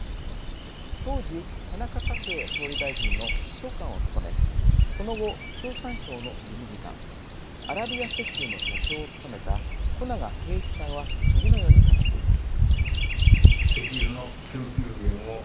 当時、田中角栄総理大臣の秘書官を務めその後、通産省の事務次官アラビア石油の社長を務めた小長啓一さんは次のように語っています。